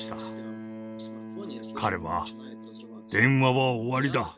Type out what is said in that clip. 彼は「電話は終わりだ。